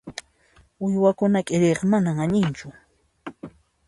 Uywakuna k'iriyqa manan allinchu.